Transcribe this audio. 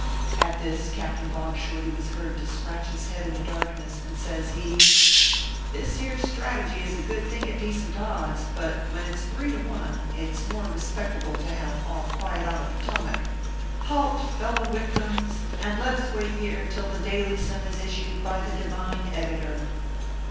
ORPHEUS C. KERB PAPERS. 259 At this Captain Bob Shorty was heard to scratch his head in the darkness, and says he :" This here strategy is a good thing at decent odds : but when it s, three to one, it s more respectable to have all quiet on the Potomac. Halt, fellow wictims, and let us wait here until the daily sun is issued by the divine editor."